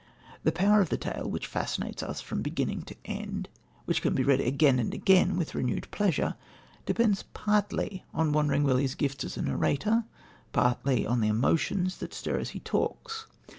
The power of the tale, which fascinates us from beginning to end and which can be read again and again with renewed pleasure, depends partly on Wandering Willie's gifts as a narrator, partly on the emotions that stir him as he talks.